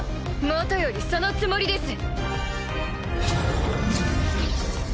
もとよりそのつもりです！